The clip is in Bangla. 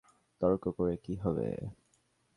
তর্ক করে কী হবে।